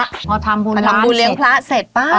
พอทำบุญร้านเสร็จป่ะพอทำบุญเลี้ยงพระเสร็จป่ะ